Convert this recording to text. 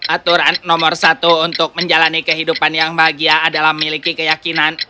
aturan nomor satu untuk menjalani kehidupan yang bahagia adalah memiliki keyakinan